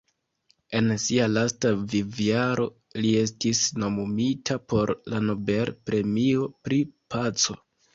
En sia lasta vivjaro li estis nomumita por la Nobel-premio pri paco.